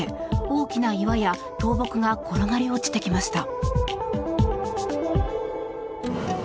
大きな岩や倒木が転がり落ちてきました。